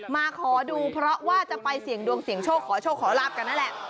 มาขอดูเพราะว่าจะไปเสี่ยงดวงเสี่ยงโชคขอโชคขอลาบกันนั่นแหละ